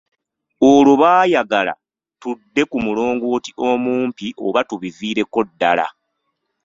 Olwo baayagala tudde ku mulongooti omumpi oba tubiviireko ddala.